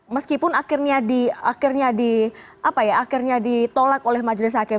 meskipun akhirnya ditolak oleh majelis hakim